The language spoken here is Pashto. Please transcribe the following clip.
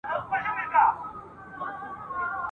باسواده مور کورنۍ ته ښه لارښوونه کوي.